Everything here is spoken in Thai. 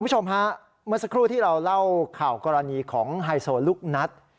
คุณผู้ชมฮะเมื่อสักครู่ที่เราเล่าข่าวกรณีของไฮโซลูกนัท